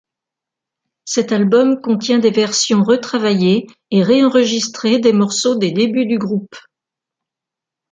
Cet album contient des versions retravaillées et réenregistrées des morceaux des débuts du groupe.